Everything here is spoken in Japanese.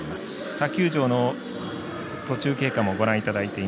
他球場の途中経過です。